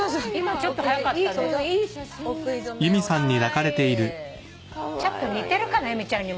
ちょっと似てるかな由美ちゃんにも。